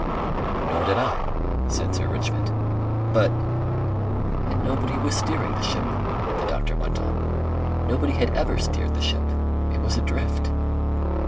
"Nor did I," said Sir Richmond, "but " "And nobody was steering the ship," the doctor went on. "Nobody had ever steered the ship. It was adrift."